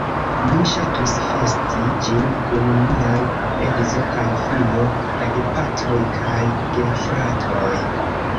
Mi ŝatus festi ĝin kun miaj edzo kaj filo, la gepatroj kaj gefratoj.